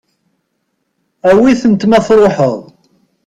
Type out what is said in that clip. Awi-tent ma tṛuḥeḍ.